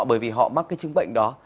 bởi vì họ mắc cái chứng bệnh đó